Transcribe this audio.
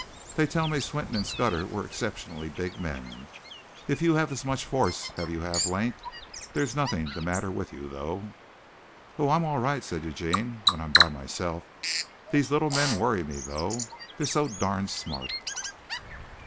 "They tell me Swinton and Scudder were exceptionally big men. If you have as much force as you have length there's nothing the matter with you, though." "Oh, I'm all right," said Eugene, "when I'm by myself. These little men worry me, though. They are so darned smart."